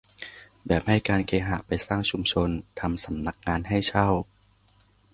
แบบให้การเคหะไปสร้างชุมชน ทำสำนักงานให้เช่า